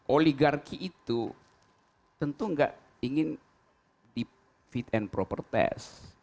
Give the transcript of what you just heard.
oligarki itu tentu nggak ingin di fit and proper test